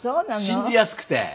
信じやすくて。